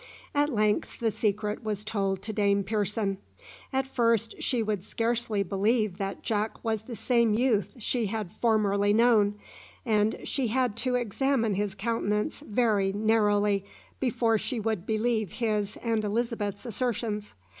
At length the secret was told to Dame Pearson. At first she would scarcely believe that Jack was the same youth she had formerly known, and she had to examine his countenance very narrowly before she would believe his and Elizabeth's assertions.